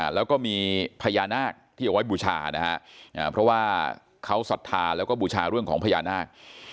แล้วก็มีพญานาคที่เอาไว้บูชานะฮะเพราะว่าเขาศรัทธาแล้วก็บูชาเรื่องของพญานาค